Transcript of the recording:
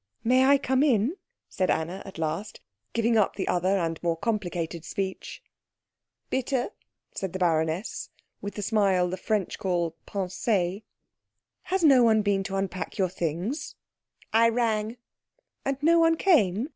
"May I come in?" said Anna at last, giving up the other and more complicated speech. "Bitte," said the baroness, with the smile the French call pincé. "Has no one been to unpack your things?" "I rang." "And no one came?